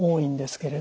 けれど